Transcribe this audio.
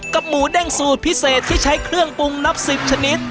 หมูเด้งสูตรพิเศษที่ใช้เครื่องปรุงนับ๑๐ชนิด